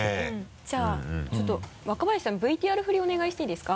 じゃあちょっと若林さんＶＴＲ振りお願いしていいですか？